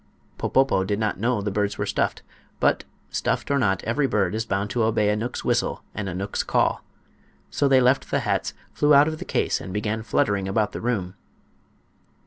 Popopo did not know the birds were stuffed; but, stuffed or not, every bird is bound to obey a knook's whistle and a knook's call. So they left the hats, flew out of the case and began fluttering about the room.